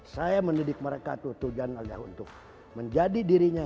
saya mendidik mereka tuh tujuan allah untuk menjadi dirinya